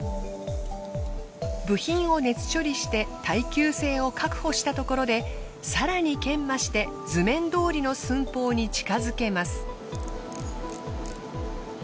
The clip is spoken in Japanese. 部品を熱処理して耐久性を確保したところで更に研磨して図面どおりの寸法に近づけます。